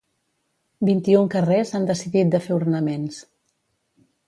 Vint-i-un carrers han decidit de fer ornaments.